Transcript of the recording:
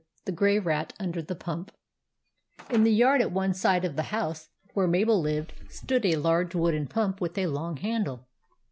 THE GREY RAT UNDER THE PUMP IN the yard at one side of the house where Mabel lived stood a large wooden pump with a long handle.